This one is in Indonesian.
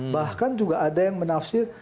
bahkan juga ada yang menafsir